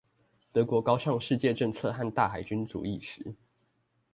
德國高唱世界政策和大海軍主義時